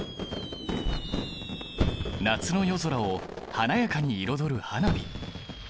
夏の夜空を華やかに彩る花火！